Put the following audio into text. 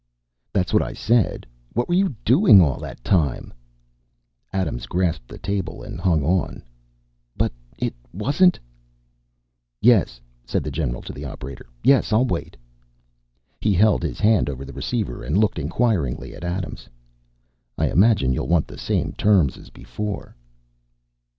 "That's what I said. What were you doing all that time?" Adams grasped the table and hung on. "But it wasn't...." "Yes," said the general to the operator. "Yes, I'll wait." He held his hand over the receiver and looked inquiringly at Adams. "I imagine you'll want the same terms as before."